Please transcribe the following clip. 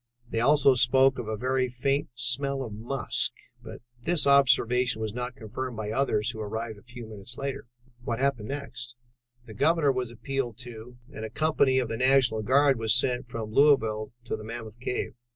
They also spoke of a very faint smell of musk, but this observation was not confirmed by others who arrived a few moments later." "What happened next?" "The Governor was appealed to and a company of the National Guard was sent from Louisville to Mammoth Cave.